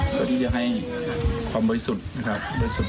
เพื่อที่จะให้ความบริสุทธิ์นะครับ